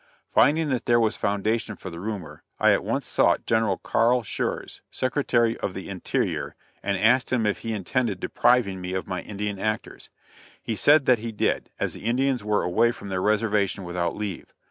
Finding that there was foundation for the rumor, I at once sought General Carl Shurz, Secretary of the Interior, and asked him if he intended depriving me of my Indian actors. He said that he did, as the Indians were away from their reservation without leave.